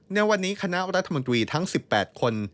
ในวันนี้คณะรัฐมนตรีทั้ง๑๘คน